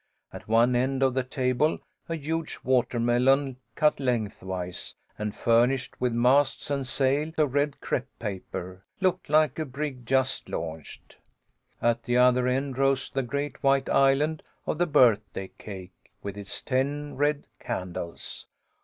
At one end of the table a huge watermelon cut lengthwise, and furnished with masts and sails of red crepe paper, looked like a brig just launched. At the other end rose the great white island of the birthday cake, with its ten red candles.